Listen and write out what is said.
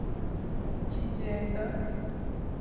kigenda